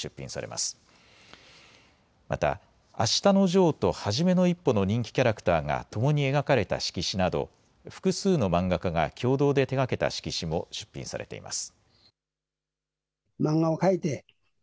またあしたのジョーとはじめの一歩の人気キャラクターが共に描かれた色紙など複数の漫画家が共同で手がけた色紙も出品されています。